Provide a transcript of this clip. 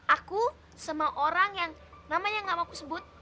aku sama orang yang namanya gak mau aku sebut